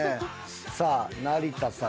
さあ成田さん。